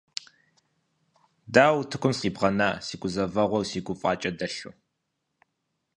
Дауэ утыкум сыкъибнэфа си гузэвэгъуэр си гуфӀакӀэ дэлъу?